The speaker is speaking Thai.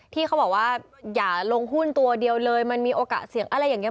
ที่เขาบอกว่าอย่าลงหุ้นตัวเดียวเลยมันมีโอกาสเสี่ยงอะไรอย่างนี้